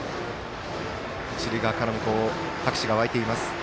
一塁側からも拍手が沸いています。